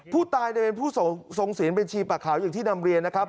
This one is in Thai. ผู้ตายเนี่ยเป็นผู้ส่งสินเป็นชีประขาวอย่างที่ดำเรียนนะครับ